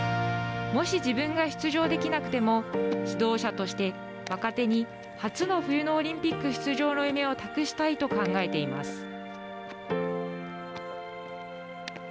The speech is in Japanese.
もし、自分が出場できなくても指導者として、若手に初の冬のオリンピック出場の夢を託したいと考えています。